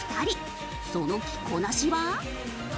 その着こなしは？